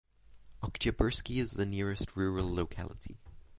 Oktyabrsky is the nearest rural locality.